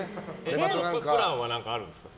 プランは何かあるんですか？